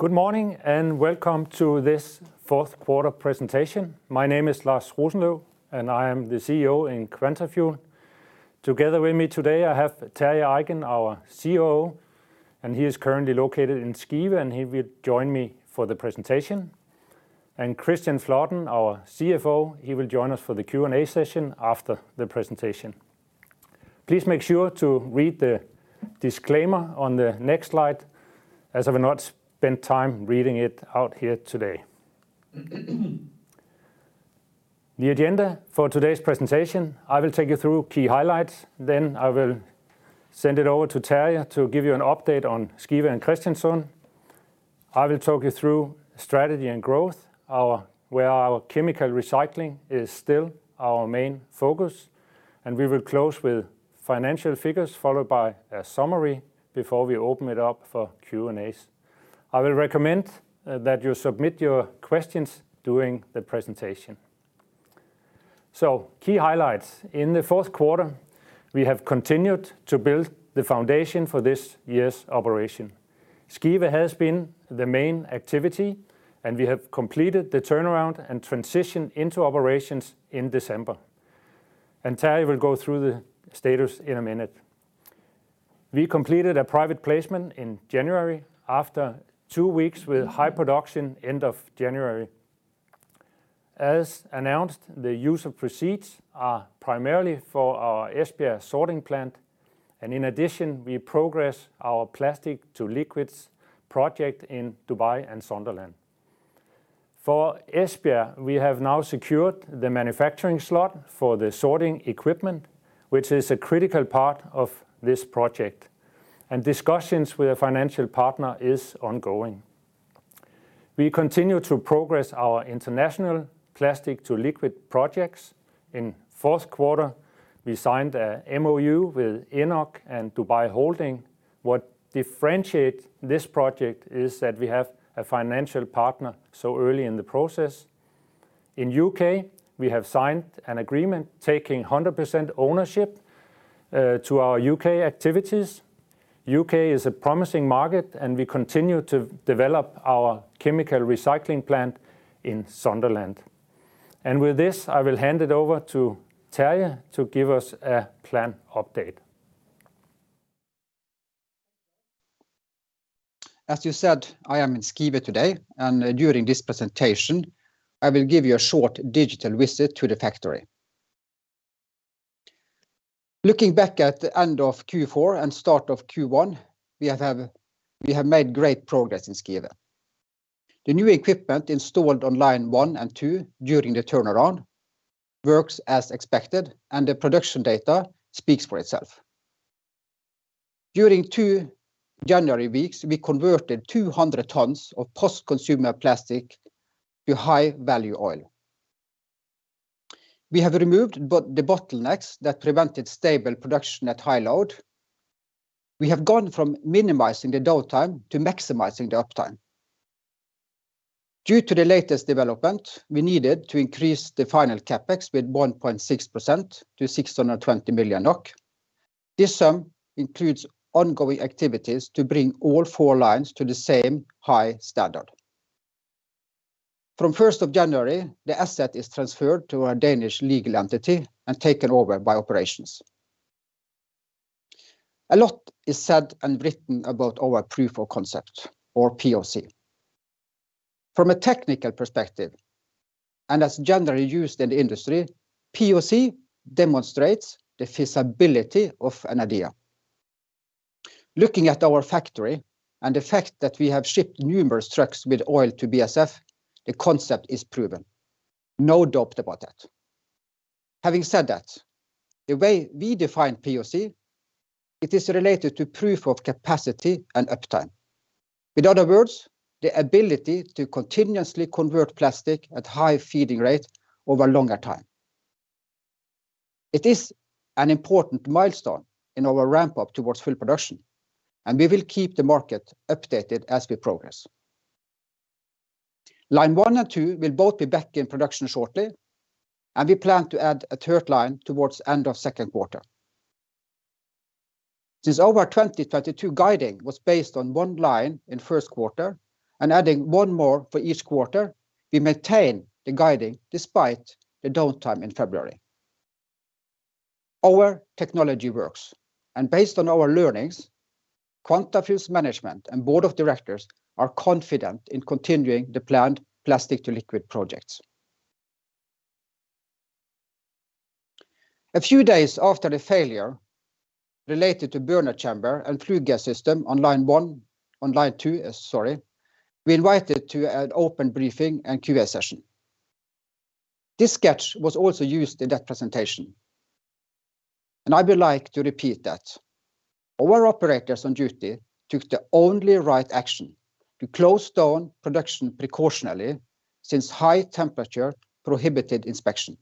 Good morning, and welcome to this Q4 presentation. My name is Lars Rosenløv, and I am the CEO in Quantafuel. Together with me today, I have Terje Eiken, our COO, and he is currently located in Skive, and he will join me for the presentation. Kristian Flaten, our CFO, he will join us for the Q&A session after the presentation. Please make sure to read the disclaimer on the next slide, as I will not spend time reading it out here today. The agenda for today's presentation, I will take you through key highlights, then I will send it over to Terje to give you an update on Skive and Kristiansund. I will talk you through strategy and growth, our where our chemical recycling is still our main focus. We will close with financial figures, followed by a summary before we open it up for Q&As. I will recommend that you submit your questions during the presentation. Key highlights. In the Q4, we have continued to build the foundation for this year's operation. Skive has been the main activity, and we have completed the turnaround and transition into operations in December. Terje will go through the status in a minute. We completed a private placement in January after two weeks with high production end of January. As announced, the use of proceeds are primarily for our Esbjerg sorting plant, and in addition, we progress our plastic-to-liquid project in Dubai and Sunderland. For Esbjerg, we have now secured the manufacturing slot for the sorting equipment, which is a critical part of this project, and discussions with a financial partner is ongoing. We continue to progress our international plastic-to-liquid projects. In Q4, we signed a MOU with ENOC and Dubai Holding. What differentiates this project is that we have a financial partner so early in the process. In the U.K., we have signed an agreement taking 100% ownership to our U.K. activities. The U.K. is a promising market, and we continue to develop our chemical recycling plant in Sunderland. With this, I will hand it over to Terje to give us a plant update. As you said, I am in Skive today, and during this presentation, I will give you a short digital visit to the factory. Looking back at the end of Q4 and start of Q1, we have made great progress in Skive. The new equipment installed on line one and two during the turnaround works as expected, and the production data speaks for itself. During two January weeks, we converted 200 tons of post-consumer plastic to high-value oil. We have removed the bottlenecks that prevented stable production at high load. We have gone from minimizing the downtime to maximizing the uptime. Due to the latest development, we needed to increase the final CapEx with 1.6% to 620 million NOK. This sum includes ongoing activities to bring all four lines to the same high standard. From first of January, the asset is transferred to a Danish legal entity and taken over by operations. A lot is said and written about our proof of concept, or POC. From a technical perspective, and as generally used in the industry, POC demonstrates the feasibility of an idea. Looking at our factory and the fact that we have shipped numerous trucks with oil to BASF, the concept is proven. No doubt about that. Having said that, the way we define POC, it is related to proof of capacity and uptime. In other words, the ability to continuously convert plastic at high feeding rate over longer time. It is an important milestone in our ramp-up towards full production, and we will keep the market updated as we progress. Line one and two will both be back in production shortly, and we plan to add a third line towards end of Q2. Since our 2022 guidance was based on one line in Q1 and adding one more for each quarter, we maintain the guidance despite the downtime in February. Our technology works. Based on our learnings, Quantafuel's management and board of directors are confident in continuing the planned plastic-to-liquid projects. A few days after the failure related to burner chamber and flue gas system on line two, sorry, we invited to an open briefing and Q&A session. This sketch was also used in that presentation, and I would like to repeat that. Our operators on duty took the only right action to close down production precautionarily, since high temperature prohibited inspection.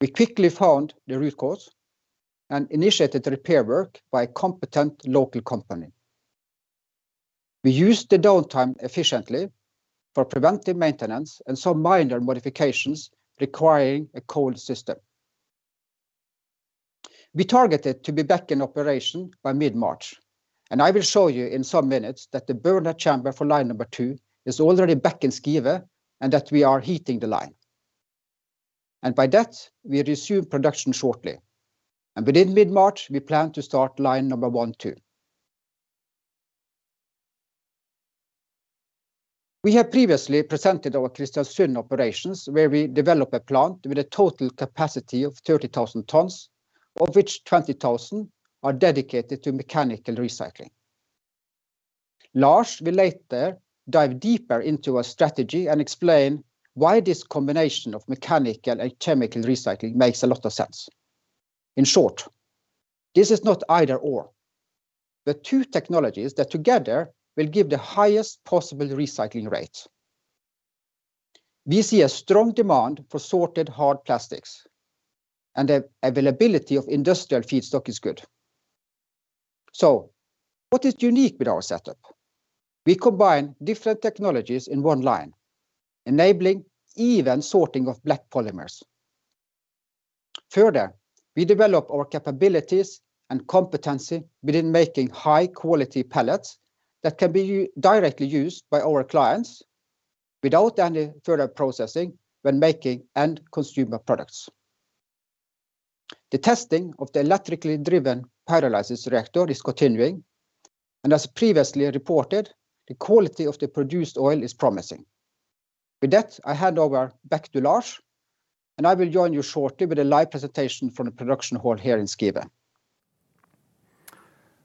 We quickly found the root cause and initiated repair work by a competent local company. We used the downtime efficiently for preventive maintenance and some minor modifications requiring a cold system. We targeted to be back in operation by mid-March, and I will show you in some minutes that the burner chamber for line number 2 is already back in Skive and that we are heating the line. By that, we resume production shortly. Within mid-March, we plan to start line number 1 too. We have previously presented our Kristiansund operations, where we develop a plant with a total capacity of 30,000 tons, of which 20,000 are dedicated to mechanical recycling. Lars will later dive deeper into our strategy and explain why this combination of mechanical and chemical recycling makes a lot of sense. In short, this is not either/or. The two technologies that together will give the highest possible recycling rate. We see a strong demand for sorted hard plastics, and the availability of industrial feedstock is good. What is unique with our setup? We combine different technologies in one line, enabling even sorting of black polymers. Further, we develop our capabilities and competency within making high-quality pellets that can be directly used by our clients without any further processing when making end consumer products. The testing of the electrically driven pyrolysis reactor is continuing, and as previously reported, the quality of the produced oil is promising. With that, I hand over back to Lars, and I will join you shortly with a live presentation from the production hall here in Skive.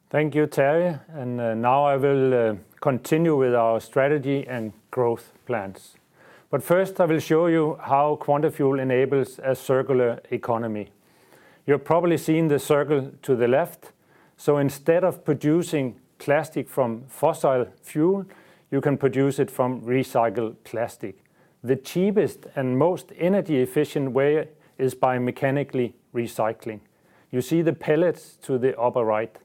Thank you, Terje, and, now I will continue with our strategy and growth plans. First, I will show you how Quantafuel enables a circular economy. You're probably seeing the circle to the left, so instead of producing plastic from fossil fuel, you can produce it from recycled plastic. The cheapest and most energy-efficient way is by mechanically recycling. You see the pellets to the upper right.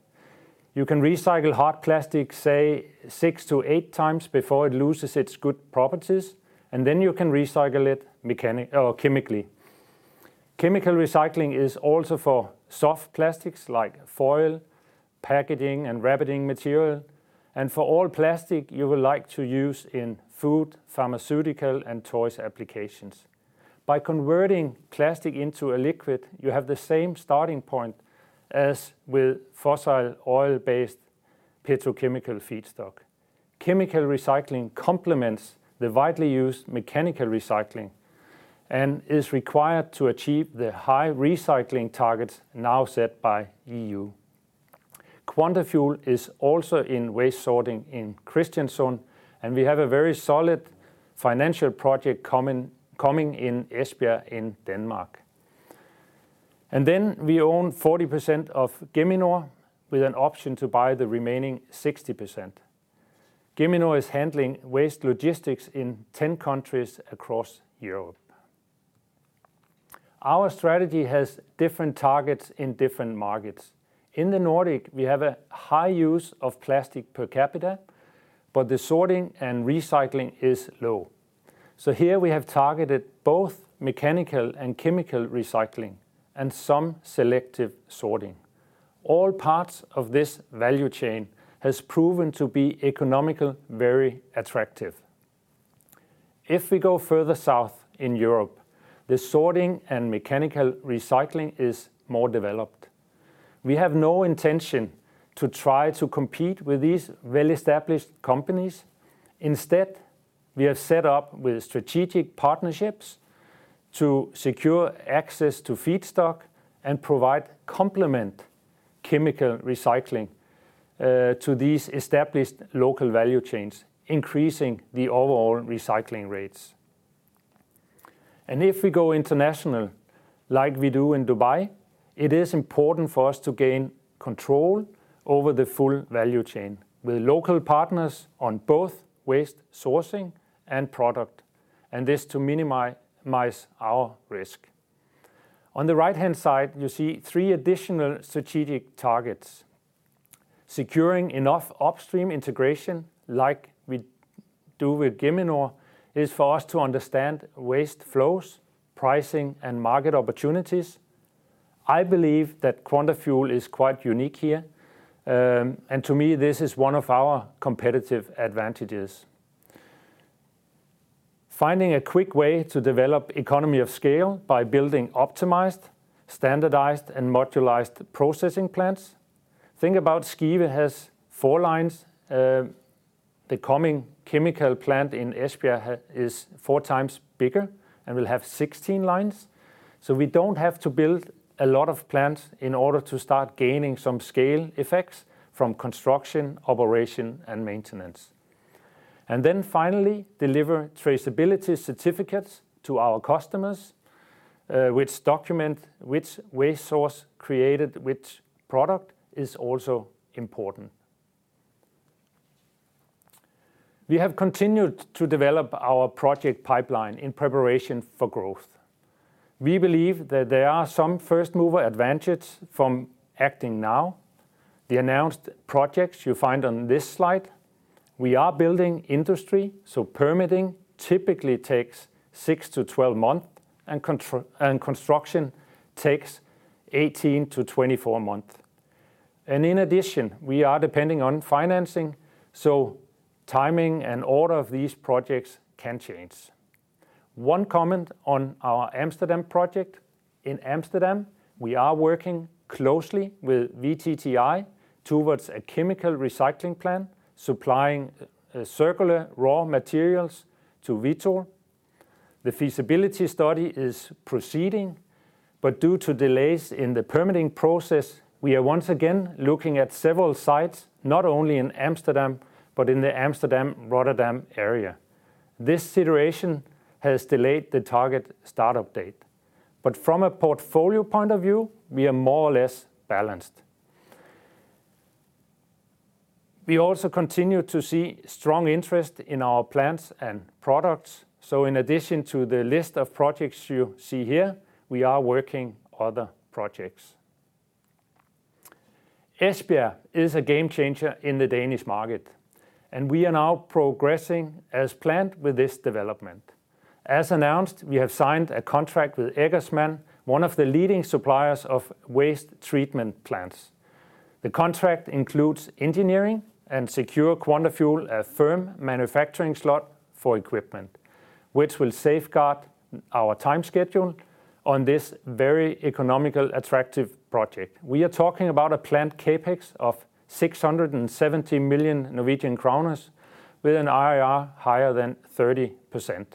You can recycle hard plastic, say, 6-8 times before it loses its good properties, and then you can recycle it mechanically or chemically. Chemical recycling is also for soft plastics like foil, packaging, and wrapping material, and for all plastic you would like to use in food, pharmaceutical, and toys applications. By converting plastic into a liquid, you have the same starting point as with fossil oil-based petrochemical feedstock. Chemical recycling complements the widely used mechanical recycling and is required to achieve the high recycling targets now set by EU. Quantafuel is also in waste sorting in Kristiansund, and we have a very solid financial project coming in Esbjerg in Denmark. We own 40% of Geminor, with an option to buy the remaining 60%. Geminor is handling waste logistics in 10 countries across Europe. Our strategy has different targets in different markets. In the Nordic, we have a high use of plastic per capita, but the sorting and recycling is low. Here we have targeted both mechanical and chemical recycling and some selective sorting. All parts of this value chain has proven to be economical, very attractive. If we go further south in Europe, the sorting and mechanical recycling is more developed. We have no intention to try to compete with these well-established companies. Instead, we have set up with strategic partnerships to secure access to feedstock and provide complement chemical recycling to these established local value chains, increasing the overall recycling rates. If we go international, like we do in Dubai, it is important for us to gain control over the full value chain with local partners on both waste sourcing and product, and this to minimize our risk. On the right-hand side, you see three additional strategic targets. Securing enough upstream integration, like we do with Geminor, is for us to understand waste flows, pricing, and market opportunities. I believe that Quantafuel is quite unique here, and to me, this is one of our competitive advantages. Finding a quick way to develop economy of scale by building optimized, standardized, and modularized processing plants. Think about Skive. It has 4 lines. The coming chemical plant in Esbjerg is 4 times bigger and will have 16 lines, so we don't have to build a lot of plants in order to start gaining some scale effects from construction, operation, and maintenance. Deliver traceability certificates to our customers, which document which waste source created which product is also important. We have continued to develop our project pipeline in preparation for growth. We believe that there are some first-mover advantage from acting now. The announced projects you find on this slide. We are building an industry, so permitting typically takes 6-12 month and construction takes 18-24 month. In addition, we are dependent on financing, so timing and order of these projects can change. One comment on our Amsterdam project. In Amsterdam, we are working closely with VTTI towards a chemical recycling plant supplying circular raw materials to Vitol. The feasibility study is proceeding, but due to delays in the permitting process, we are once again looking at several sites, not only in Amsterdam, but in the Amsterdam-Rotterdam area. This situation has delayed the target start-up date. From a portfolio point of view, we are more or less balanced. We also continue to see strong interest in our plants and products, so in addition to the list of projects you see here, we are working other projects. Esbjerg is a game changer in the Danish market, and we are now progressing as planned with this development. As announced, we have signed a contract with Eggersmann, one of the leading suppliers of waste treatment plants. The contract includes engineering and secures Quantafuel a firm manufacturing slot for equipment, which will safeguard our time schedule on this very economically attractive project. We are talking about a plant CapEx of 670 million Norwegian kroner with an IRR higher than 30%.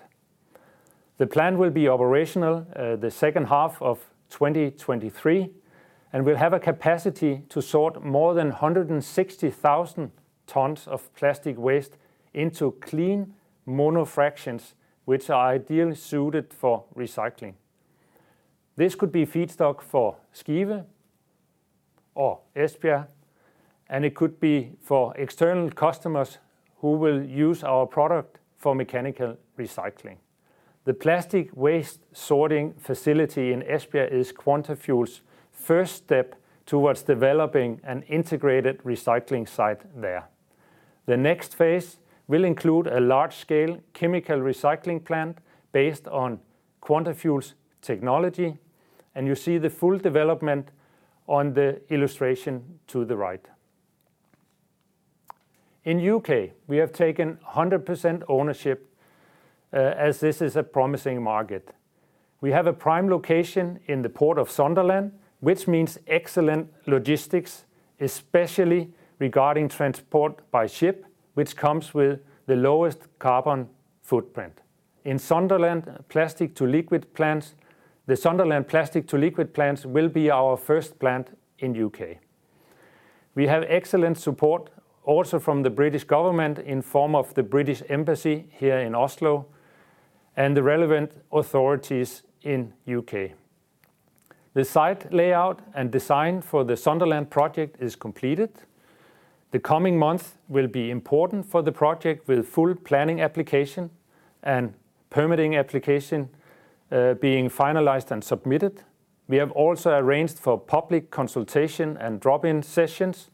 The plant will be operational the H2 of 2023 and will have a capacity to sort more than 160,000 tons of plastic waste into clean mono-fractions which are ideally suited for recycling. This could be feedstock for Skive or Esbjerg, and it could be for external customers who will use our product for mechanical recycling. The plastic waste sorting facility in Esbjerg is Quantafuel's first step towards developing an integrated recycling site there. The next phase will include a large-scale chemical recycling plant based on Quantafuel's technology, and you see the full development on the illustration to the right. In U.K., we have taken 100% ownership, as this is a promising market. We have a prime location in the Port of Sunderland, which means excellent logistics, especially regarding transport by ship, which comes with the lowest carbon footprint. In Sunderland, plastic-to-liquid plants, the Sunderland plastic-to-liquid plants will be our first plant in U.K. We have excellent support also from the British government in form of the British Embassy here in Oslo and the relevant authorities in U.K. The site layout and design for the Sunderland project is completed. The coming month will be important for the project with full planning application and permitting application being finalized and submitted. We have also arranged for public consultation and drop-in sessions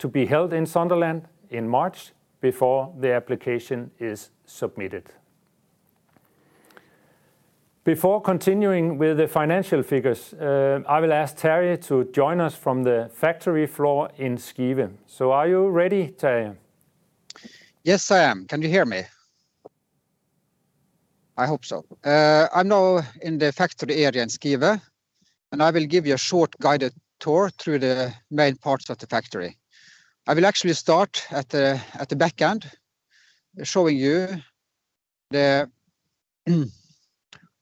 to be held in Sunderland in March before the application is submitted. Before continuing with the financial figures, I will ask Terje to join us from the factory floor in Skive. Are you ready, Terje? Yes, I am. Can you hear me? I hope so. I'm now in the factory area in Skive, and I will give you a short guided tour through the main parts of the factory. I will actually start at the back end, showing you the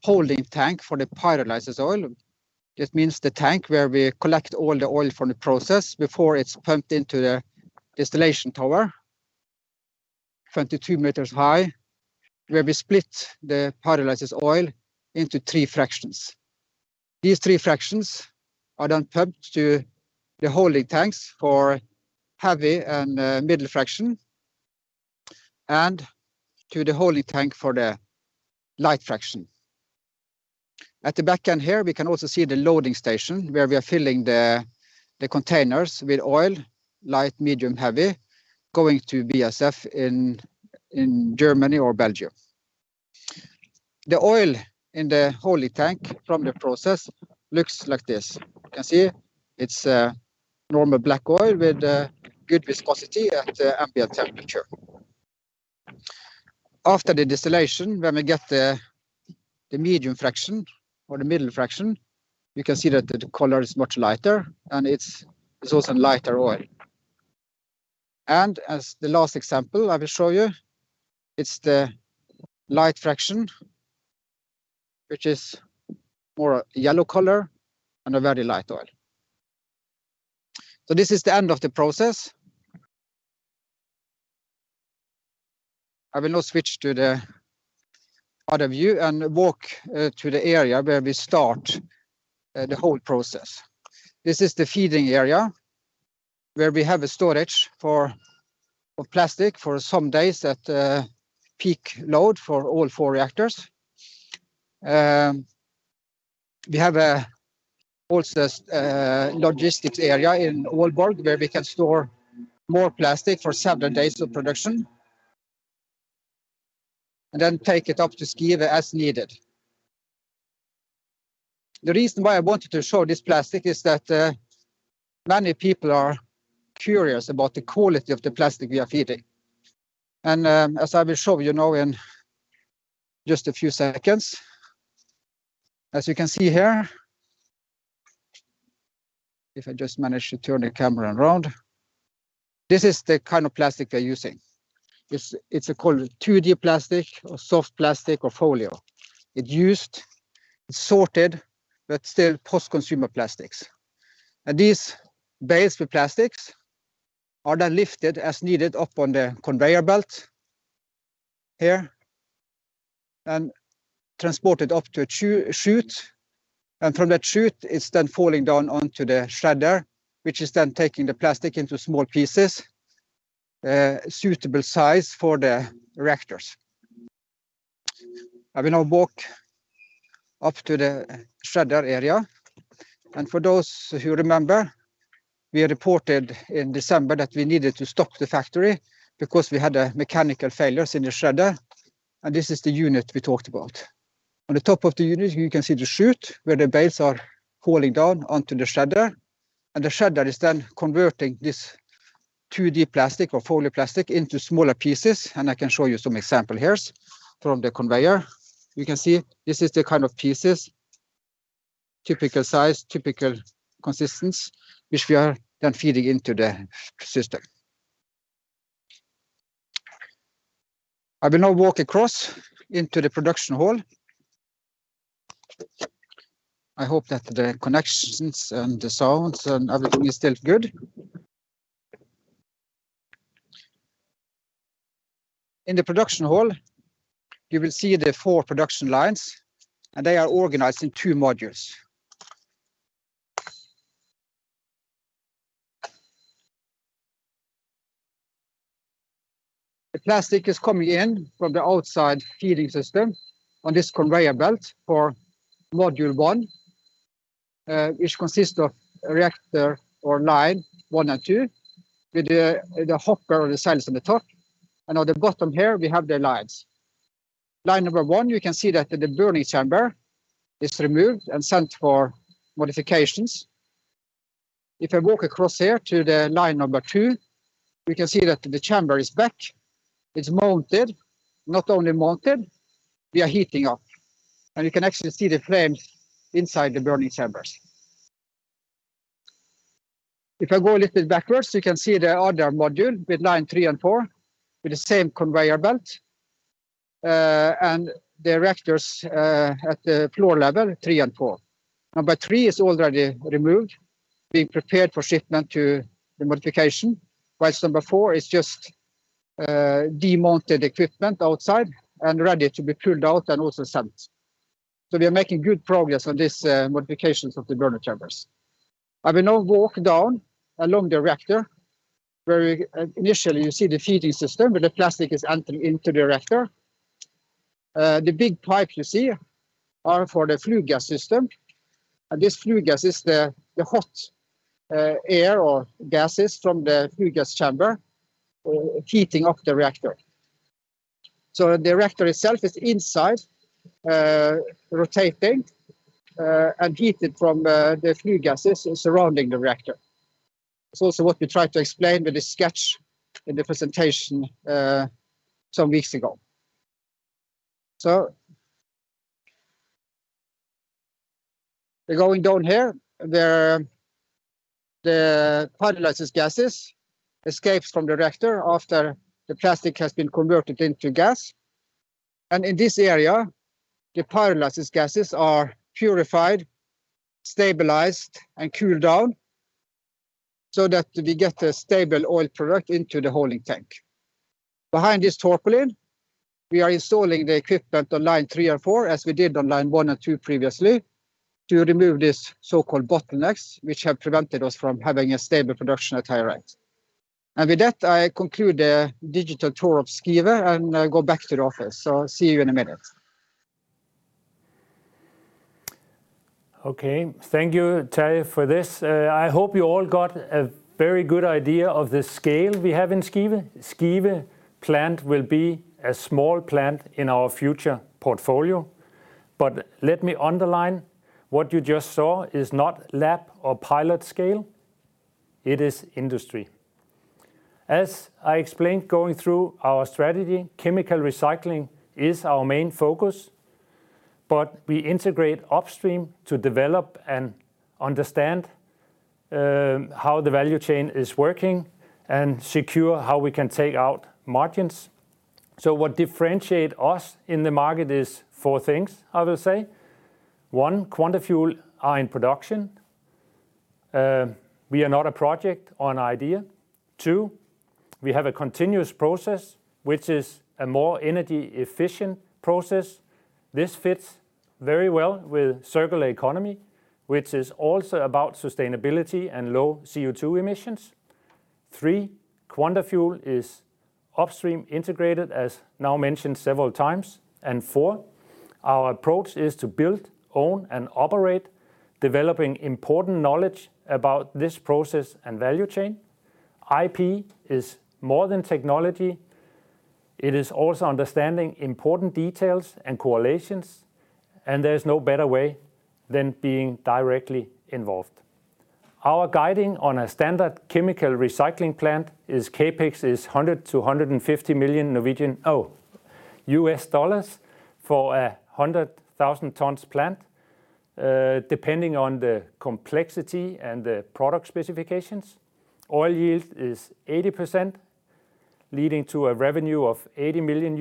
holding tank for the pyrolysis oil. This means the tank where we collect all the oil from the process before it's pumped into the distillation tower, 22 meters high, where we split the pyrolysis oil into three fractions. These three fractions are then pumped to the holding tanks for heavy and middle fraction and to the holding tank for the light fraction. At the back end here, we can also see the loading station where we are filling the containers with oil, light, medium, heavy, going to BASF in Germany or Belgium. The oil in the holding tank from the process looks like this. You can see it's normal black oil with good viscosity at ambient temperature. After the distillation, when we get the medium fraction or the middle fraction, you can see that the color is much lighter, and it's also lighter oil. As the last example I will show you, it's the light fraction, which is more a yellow color and a very light oil. This is the end of the process. I will now switch to the other view and walk to the area where we start the whole process. This is the feeding area where we have a storage of plastic for some days at peak load for all four reactors. We have a logistics area in Aalborg where we can store more plastic for several days of production and then take it up to Skive as needed. The reason why I wanted to show this plastic is that many people are curious about the quality of the plastic we are feeding. As I will show you now in just a few seconds, as you can see here, if I just manage to turn the camera around, this is the kind of plastic we are using. It's called 2D plastic or soft plastic or foil. It's sorted, but still post-consumer plastics. These bales with plastics are then lifted as needed up on the conveyor belt here and transported up to a chute. From that chute, it's then falling down onto the shredder, which is then taking the plastic into small pieces, suitable size for the reactors. I will now walk up to the shredder area. For those who remember, we had reported in December that we needed to stop the factory because we had a mechanical failures in the shredder, and this is the unit we talked about. On the top of the unit, you can see the chute where the bales are falling down onto the shredder, and the shredder is then converting this 2D plastic or foil plastic into smaller pieces, and I can show you some example here from the conveyor. You can see this is the kind of pieces, typical size, typical consistency, which we are then feeding into the system. I will now walk across into the production hall. I hope that the connections and the sounds and everything is still good. In the production hall, you will see the four production lines, and they are organized in two modules. The plastic is coming in from the outside feeding system on this conveyor belt for module one, which consists of a reactor or line one and two, with the hopper or the silos on the top. On the bottom here, we have the lines. Line number one, you can see that the burning chamber is removed and sent for modifications. If I walk across here to the line number two, we can see that the chamber is back. It's mounted. Not only mounted, we are heating up, and you can actually see the flames inside the burning chambers. If I go a little backwards, you can see the other module with line 3 and 4 with the same conveyor belt, and the reactors at the floor level 3 and 4. Number 3 is already removed, being prepared for shipment to the modification, while number 4 is just demounted equipment outside and ready to be pulled out and also sent. We are making good progress on this modifications of the burner chambers. I will now walk down along the reactor where initially you see the feeding system where the plastic is entering into the reactor. The big pipe you see are for the flue gas system, and this flue gas is the hot air or gases from the flue gas chamber heating up the reactor. The reactor itself is inside, rotating, and heated from the flue gases surrounding the reactor. It's also what we tried to explain with the sketch in the presentation some weeks ago. We're going down here. The pyrolysis gases escapes from the reactor after the plastic has been converted into gas. In this area, the pyrolysis gases are purified, stabilized, and cooled down so that we get a stable oil product into the holding tank. Behind this tarpaulin, we are installing the equipment on line 3 and 4 as we did on line 1 and 2 previously to remove this so-called bottlenecks which have prevented us from having a stable production at high rate. With that, I conclude the digital tour of Skive and I go back to the office. I'll see you in a minute. Okay. Thank you, Terje, for this. I hope you all got a very good idea of the scale we have in Skive. Skive plant will be a small plant in our future portfolio. Let me underline what you just saw is not lab or pilot scale. It is industry. As I explained going through our strategy, chemical recycling is our main focus, but we integrate upstream to develop and understand how the value chain is working and secure how we can take out margins. What differentiate us in the market is four things, I will say. One, Quantafuel are in production. We are not a project or an idea. Two, we have a continuous process, which is a more energy efficient process. This fits very well with circular economy, which is also about sustainability and low CO2 emissions. Three, Quantafuel is upstream integrated as now mentioned several times. Four, our approach is to build, own, and operate, developing important knowledge about this process and value chain. IP is more than technology. It is also understanding important details and correlations, and there is no better way than being directly involved. Our guiding on a standard chemical recycling plant is CapEx $100-$150 million for a 100,000 tons plant, depending on the complexity and the product specifications. Oil yield is 80%, leading to a revenue of $80 million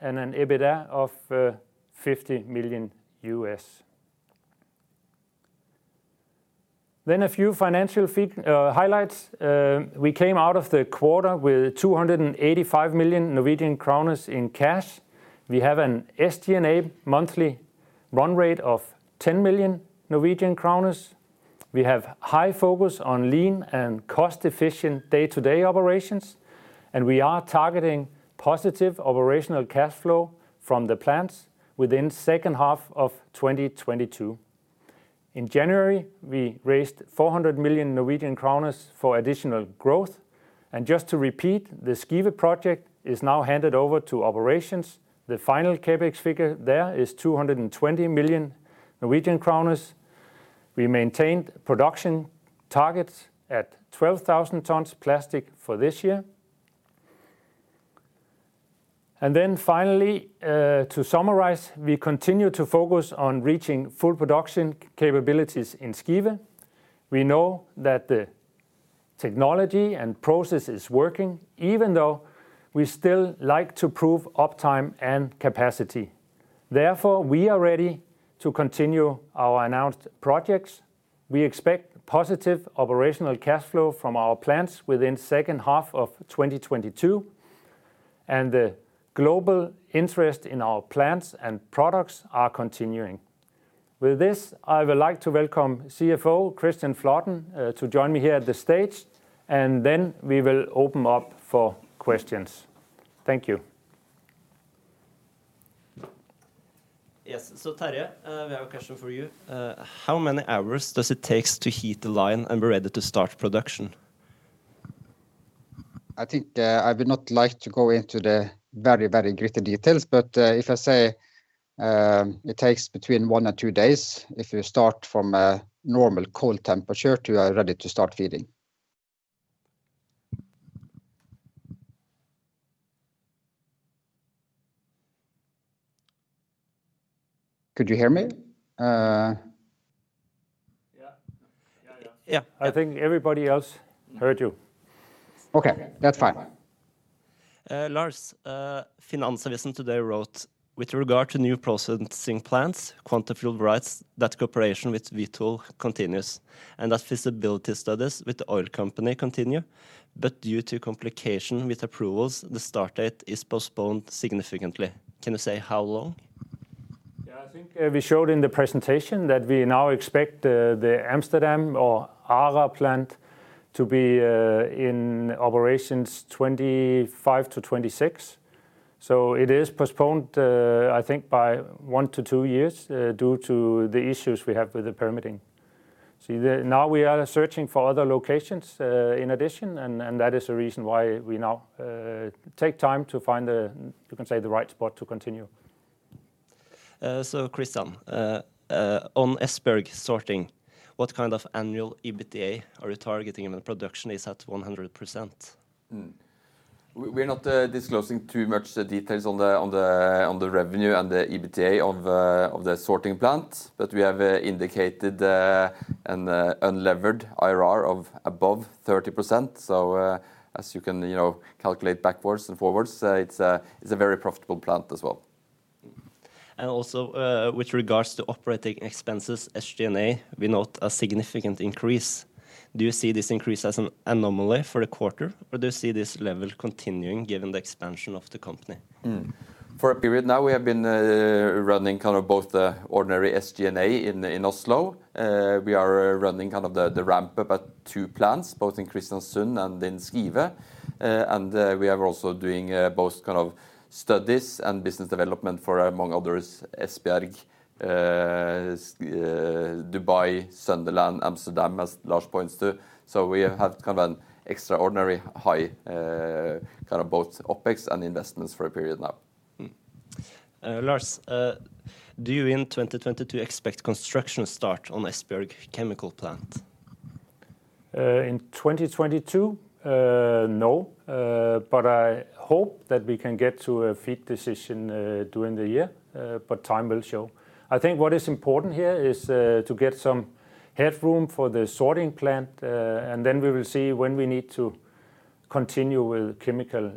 and an EBITDA of $50 million. A few financial highlights. We came out of the quarter with 285 million Norwegian kroner in cash. We have an SG&A monthly run rate of 10 million Norwegian kroner. We have high focus on lean and cost-efficient day-to-day operations, and we are targeting positive operational cash flow from the plants within H2 of 2022. In January, we raised 400 million Norwegian kroner for additional growth. Just to repeat, the Skive project is now handed over to operations. The final CapEx figure there is 220 million Norwegian kroner. We maintained production targets at 12,000 tons plastic for this year. Then finally, to summarize, we continue to focus on reaching full production capabilities in Skive. We know that the technology and process is working, even though we still like to prove uptime and capacity. Therefore, we are ready to continue our announced projects. We expect positive operational cash flow from our plants within H2 of 2022, and the global interest in our plants and products are continuing. With this, I would like to welcome CFO Kristian Flaten to join me here at the stage, and then we will open up for questions. Thank you. Yes. Terje, we have a question for you. How many hours does it take to heat the line and be ready to start production? I think I would not like to go into the very, very gritty details, but if I say it takes between 1 and 2 days if you start from a normal cold temperature to are ready to start feeding. Could you hear me? Yeah. Yeah, yeah. Yeah. I think everybody else heard you. Okay. That's fine. Lars, Finansavisen today wrote, with regard to new processing plants, Quantafuel writes that cooperation with Vitol continues, and that feasibility studies with the oil company continue, but due to complications with approvals, the start date is postponed significantly. Can you say how long? Yeah. I think we showed in the presentation that we now expect the Amsterdam or ARA plant to be in operations 2025-2026. It is postponed, I think by one to two years, due to the issues we have with the permitting. Now we are searching for other locations in addition, and that is the reason why we now take time to find, you can say, the right spot to continue. Kristian, on Esbjerg sorting, what kind of annual EBITDA are you targeting when the production is at 100%? We're not disclosing too much details on the revenue and the EBITDA of the sorting plant, but we have indicated an unlevered IRR of above 30%. As you can calculate backwards and forwards, it's a very profitable plant as well. With regards to operating expenses, SG&A, we note a significant increase. Do you see this increase as an anomaly for the quarter, or do you see this level continuing given the expansion of the company? For a period now, we have been running kind of both the ordinary SG&A in Oslo. We are running kind of the ramp-up at 2 plants, both in Kristiansund and in Skive. We are also doing both kind of studies and business development for, among others, Esbjerg, Dubai, Sunderland, Amsterdam, as Lars points to. We have had kind of an extraordinary high kind of both OpEx and investments for a period now. Lars, do you in 2022 expect construction start on Esbjerg chemical plant? I hope that we can get to a FID during the year, but time will show. I think what is important here is to get some headroom for the sorting plant, and then we will see when we need to continue with chemical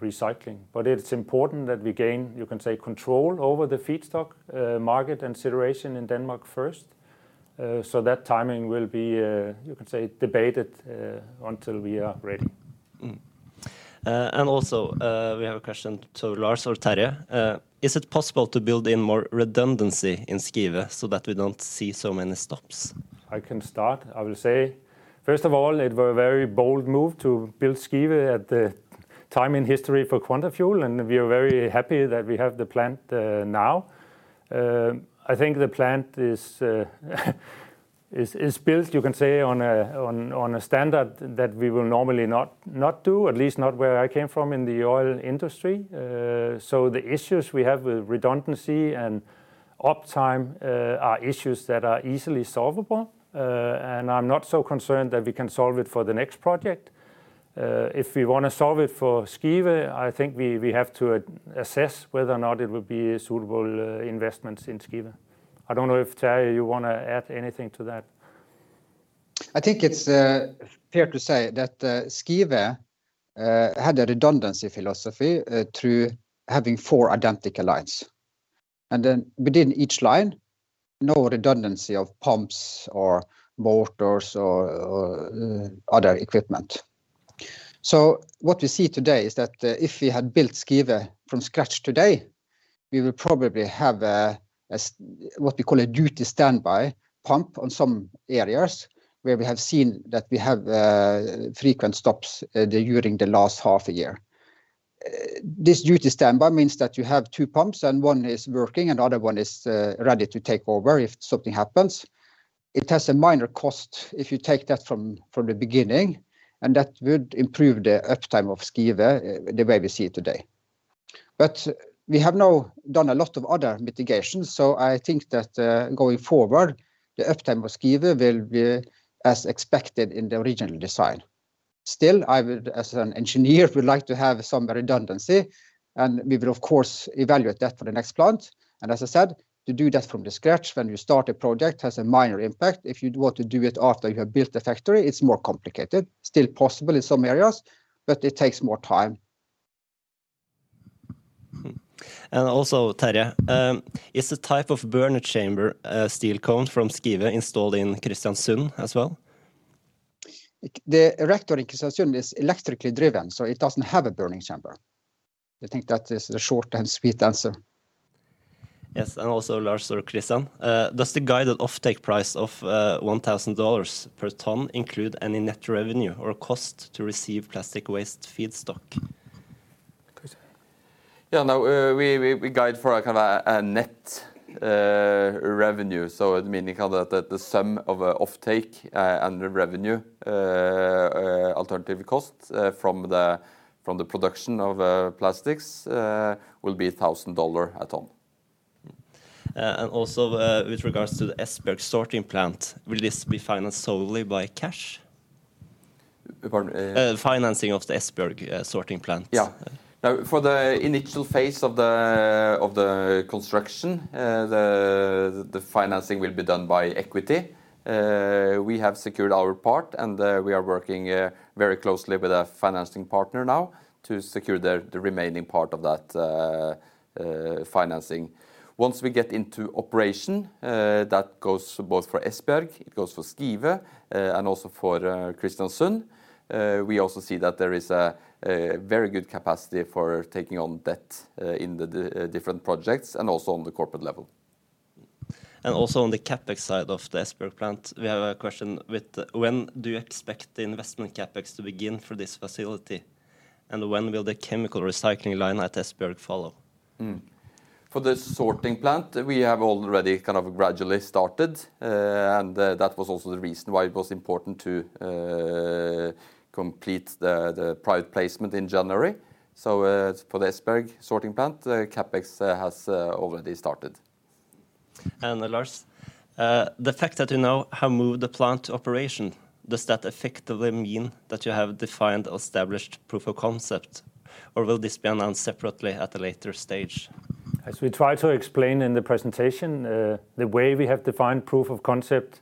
recycling. It's important that we gain, you can say, control over the feedstock market and situation in Denmark first, so that timing will be, you can say, debated until we are ready. We have a question to Lars or Terje. Is it possible to build in more redundancy in Skive so that we don't see so many stops? I can start. I will say, first of all, it were a very bold move to build Skive at the time in history for Quantafuel, and we are very happy that we have the plant now. I think the plant is built, you can say, on a standard that we will normally not do, at least not where I came from in the oil industry. The issues we have with redundancy and uptime are issues that are easily solvable. I'm not so concerned that we can solve it for the next project. If we wanna solve it for Skive, I think we have to assess whether or not it would be a suitable investments in Skive. I don't know if, Terje, you wanna add anything to that. I think it's fair to say that Skive had a redundancy philosophy through having four identical lines. Within each line, no redundancy of pumps or motors or other equipment. What we see today is that if we had built Skive from scratch today, we would probably have a what we call a duty standby pump on some areas where we have seen that we have frequent stops during the last half year. This duty standby means that you have two pumps, and one is working, and the other one is ready to take over if something happens. It has a minor cost if you take that from the beginning, and that would improve the uptime of Skive the way we see it today. We have now done a lot of other mitigations, so I think that, going forward, the uptime of Skive will be as expected in the original design. Still, I would, as an engineer, like to have some redundancy, and we will of course evaluate that for the next plant. As I said, to do that from scratch when you start a project has a minor impact. If you'd want to do it after you have built the factory, it's more complicated. Still possible in some areas, but it takes more time. Terje, is the type of burner chamber, steel cone from Skive installed in Kristiansund as well? The reactor in Kristiansund is electrically driven, so it doesn't have a burning chamber. I think that is the short and sweet answer. Yes. Also, Lars or Kristian, does the guided offtake price of $1,000 per ton include any net revenue or cost to receive plastic waste feedstock? Yeah. No, we guide for a kinda net revenue, so meaning that the sum of offtake and the revenue alternative cost from the production of plastics will be $1,000 a ton. With regards to the Esbjerg sorting plant, will this be financed solely by cash? Pardon? Financing of the Esbjerg sorting plant. Yeah. Now, for the initial phase of the construction, the financing will be done by equity. We have secured our part, and we are working very closely with a financing partner now to secure the remaining part of that financing. Once we get into operation, that goes both for Esbjerg, it goes for Skive, and also for Kristiansund, we also see that there is a very good capacity for taking on debt in the different projects and also on the corporate level. Also on the CapEx side of the Esbjerg plant, we have a question. When do you expect the investment CapEx to begin for this facility, and when will the chemical recycling line at Esbjerg follow? For the sorting plant, we have already kind of gradually started, and that was also the reason why it was important to complete the private placement in January. For the Esbjerg sorting plant, the CapEx has already started. Lars, the fact that you now have moved the plant to operation, does that effectively mean that you have defined or established proof of concept, or will this be announced separately at a later stage? As we tried to explain in the presentation, the way we have defined proof of concept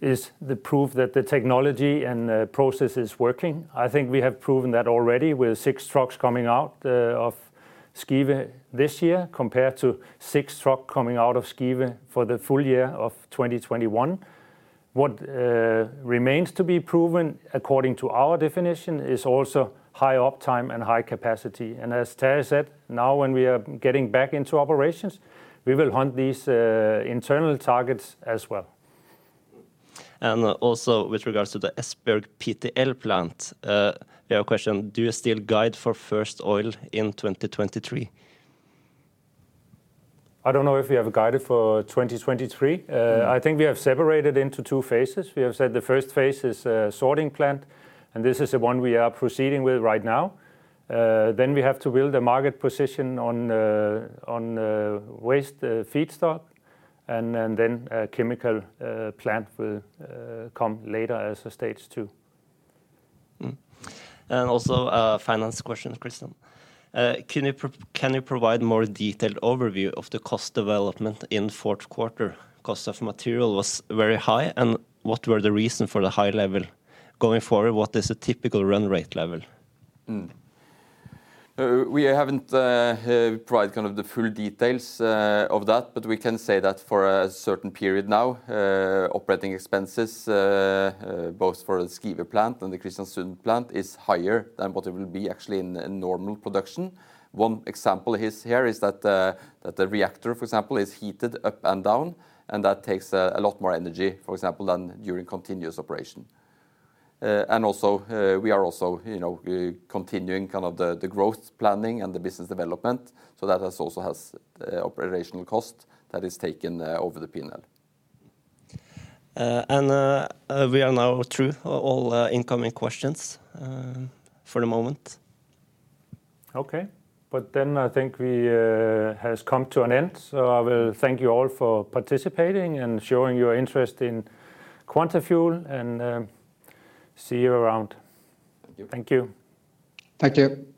is the proof that the technology and the process is working. I think we have proven that already with six trucks coming out of Skive this year compared to six trucks coming out of Skive for the full year of 2021. What remains to be proven, according to our definition, is also high uptime and high capacity. As Terje said, now when we are getting back into operations, we will hunt these internal targets as well. Also with regards to the Esbjerg PTL plant, we have a question: Do you still guide for first oil in 2023? I on't know if we have guided for 2023. I think we have separated into two phases. We have said the first phase is sorting plant, and this is the one we are proceeding with right now. We have to build a market position on waste feedstock, and a chemical plant will come later as a stage two. Also a finance question, Kristian. Can you provide more detailed overview of the cost development in the Q4? Cost of material was very high, and what were the reason for the high level? Going forward, what is the typical run rate level? We haven't provided kind of the full details of that, but we can say that for a certain period now, operating expenses both for the Skive plant and the Kristiansund plant is higher than what it will be actually in normal production. One example is that the reactor, for example, is heated up and down, and that takes a lot more energy, for example, than during continuous operation. Also, we are also continuing kind of the growth planning and the business development, so that has operational cost that is taken over the P&L. We are now through all incoming questions for the moment. Okay. I think we has come to an end, so I will thank you all for participating and showing your interest in Quantafuel and see you around. Thank you. Thank you. Thank you.